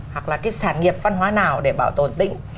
hoặc là cái sản nghiệp văn hóa nào để bảo tồn tĩnh